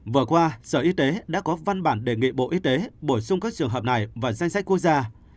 vừa qua sở y tế đã có văn bản đề nghị bộ y tế bổ sung các trường hợp này vào danh sách quốc gia